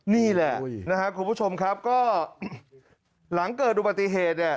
นี่แหละนะครับคุณผู้ชมครับก็หลังเกิดอุบัติเหตุเนี่ย